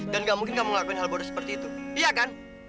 dan gak mungkin kamu ngelakuin hal bodoh seperti itu iya kan